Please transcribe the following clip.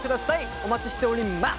お待ちしております！